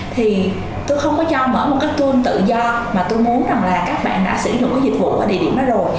thì tôi không có cho mở một cái kênh tự do mà tôi muốn rằng là các bạn đã sử dụng cái dịch vụ ở địa điểm đó rồi